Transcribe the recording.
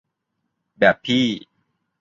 แบบพี่